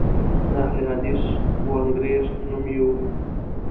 د اهل حدیث وانګریز نوم یې و.